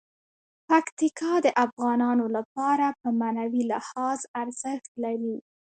پکتیکا د افغانانو لپاره په معنوي لحاظ ارزښت لري.